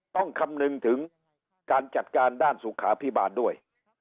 คำนึงถึงการจัดการด้านสุขาพิบาลด้วย